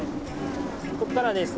ここからはですね